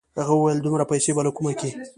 هغه وويل دومره پيسې به له کومه کې.